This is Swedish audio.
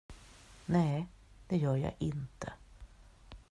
Nej, det gör jag inte.